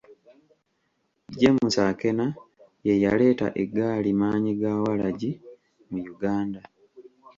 James Akena ye yaleeta egaali maanyigawalagi mu Uganda.